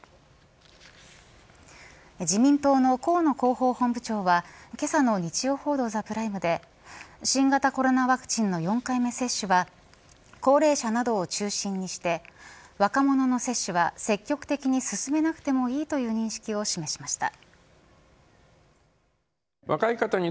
自民党の河野広報本部長はけさの日曜報道ＴＨＥＰＲＩＭＥで新型コロナワクチンの４回目接種は高齢者などを中心にして若者の接種は積極的に進めなくてもいいという認識を示しました。